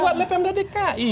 buat lpm dari dki